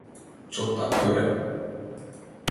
— Чылтак ӧрам...